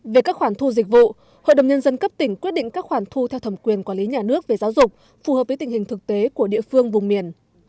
về các khoản thu dịch vụ hội đồng nhân dân cấp tỉnh quyết định các khoản thu theo thẩm quyền quản lý nhà nước về giáo dục phù hợp với tình hình thực tế của địa phương vùng miền